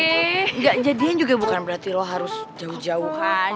enggak jadian juga bukan berarti lo harus jauh jauhan